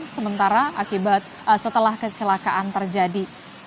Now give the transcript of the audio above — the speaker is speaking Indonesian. sementara akibat setelah kecelakaan terjadi